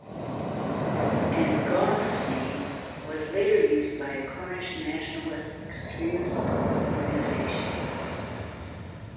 An Gof's name was later used by a Cornish nationalist extremist organisation.